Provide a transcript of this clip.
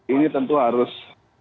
ini tentu harus